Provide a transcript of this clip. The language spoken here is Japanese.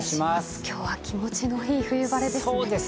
今日は気持ちのいい冬晴れですね。